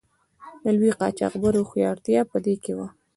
د لوی قاچاقبر هوښیارتیا په دې کې وه.